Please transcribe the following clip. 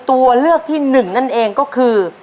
ตัวเลือกที่หนึ่งนั่นเองก็คือ